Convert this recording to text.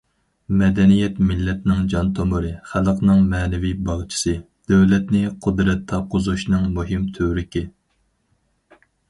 مەدەنىيەت مىللەتنىڭ جان تومۇرى، خەلقنىڭ مەنىۋى باغچىسى، دۆلەتنى قۇدرەت تاپقۇزۇشنىڭ مۇھىم تۈۋرۈكى.